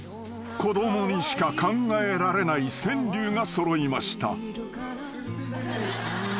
［子供にしか考えられない川柳が揃いました］